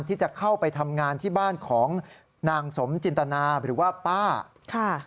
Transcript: ที่จะเข้าไปทำงานที่บ้านของนางสมจินตนาหรือว่าป้าค่ะ